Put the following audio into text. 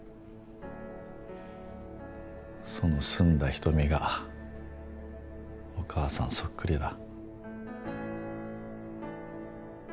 その澄んだ瞳がお母さんそっくりだ。